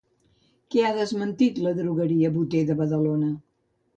Què ha desmentit l'adrogueria Boter de Badalona?